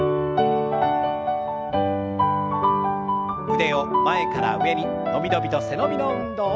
腕を前から上に伸び伸びと背伸びの運動。